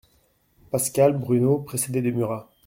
=Pascal Bruno= (précédé de =Murat=).